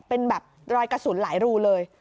เป็นแบบรอยกระสุนหลายรูเลย